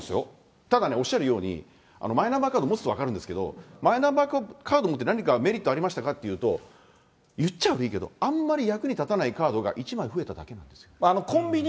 ただね、おっしゃるように、マイナンバーカード持つと分かるんですけど、マイナンバーカード持って、何かメリットありましたかっていうと、言っちゃ悪いけど、あんまり役に立たないカードが１枚増えただけなんです。